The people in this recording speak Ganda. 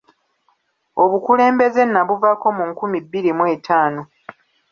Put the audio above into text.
Obukulembeze nabuvaako mu nkumi bbiri mu etaano.